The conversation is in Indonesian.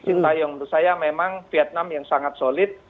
sintayong menurut saya memang vietnam yang sangat solid